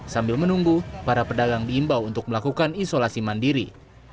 sambil menunggu para pedagang diimbau untuk melakukan isolasi mandiri